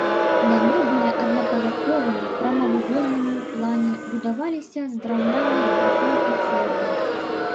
Дамы былі аднапавярховымі, прамавугольнымі ў плане, будаваліся з драўляных брусоў і цэглы.